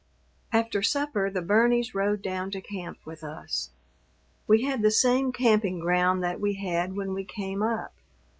After supper the Burneys rode down to camp with us. We had the same camping ground that we had when we came up.